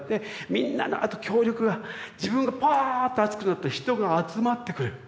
みんなのあと協力が自分がポーッと熱くなると人が集まってくれる。